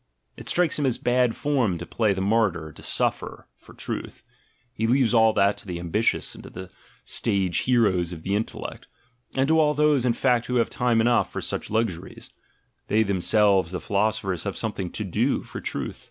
It strikes him as bad form to play the martyr, "to suffer for truth" — he leaves all that to the ambitious and to the stage heroes of the intellect, and to all those, in fact, who have time enough for such luxuries (they themselves, the philosophers, have something to do for truth).